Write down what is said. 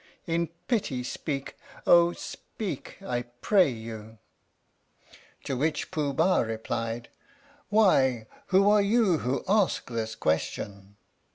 In pity speak Oh, speak, I pray you ! To which Pooh Bah replied : Why who are you who ask this question?